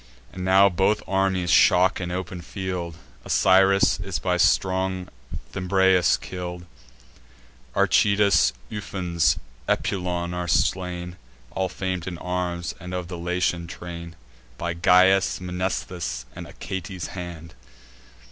And now both armies shock in open field; Osiris is by strong Thymbraeus kill'd. Archetius, Ufens, Epulon, are slain (All fam'd in arms, and of the Latian train) By Gyas', Mnestheus', and Achates' hand.